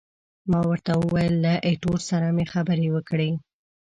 ما ورته وویل، له ایټور سره مې خبرې وکړې.